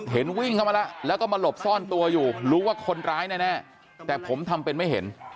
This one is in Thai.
วิ่งเข้ามาแล้วแล้วก็มาหลบซ่อนตัวอยู่รู้ว่าคนร้ายแน่แต่ผมทำเป็นไม่เห็น